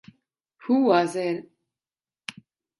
Who was it?